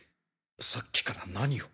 さっきから何を？